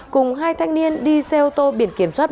cùng hai thanh niên đi xe ô tô biển kiểm soát